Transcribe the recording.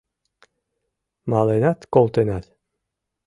Маленат колтенат.